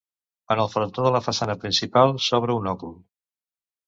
En el frontó de la façana principal s'obre un òcul.